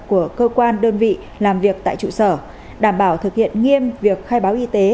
của cơ quan đơn vị làm việc tại trụ sở đảm bảo thực hiện nghiêm việc khai báo y tế